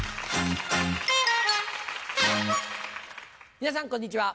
皆さんこんにちは。